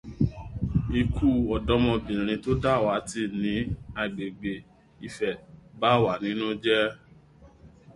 Ikú ọ̀dọ̀mọbìnrin tó dàwátì ní agbègbè Ifẹ̀ bà wá nínú jẹ́